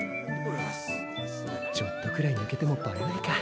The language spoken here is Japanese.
ちょっとくらいぬけてもバレないか。